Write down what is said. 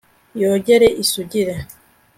yogere isugire